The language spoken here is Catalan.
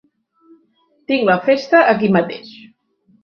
Tinc la festa aquí mateix.